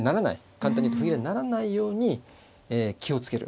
簡単に言うと歩切れにはならないように気を付ける。